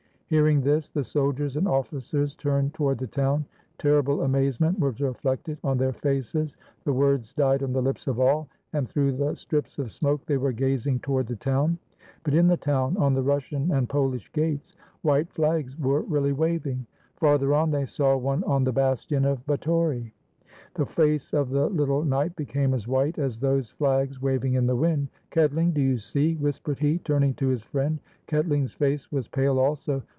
Hearing this, the soldiers and officers turned toward the town. Terrible amazement was reflected on their faces; the words died on the lips of all; and through the strips of smoke they were gazing toward the town. But in the town, on the Russian and Polish gates, white flags were really waving. Farther on they saw one on the bastion of Batory. 139 RUSSIA The face of the little knight became as white as those flags waving in the wind. "Ketling, do you see?" whispered he, turning to his friend. Ketling's face was pale also.